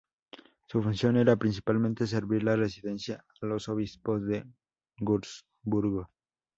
Su función era principalmente servir de residencia a los obispos de Wurzburgo.